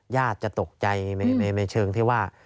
ญาติจะตกใจในเชิงที่ว่า